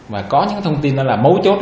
và có những thông tin đó là mấu chốt